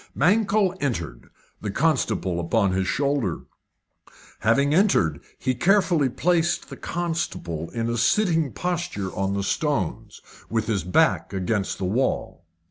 Mankell entered, the constable upon his shoulder. Having entered, he carefully placed the constable in a sitting posture on the stones, with his back against the wall.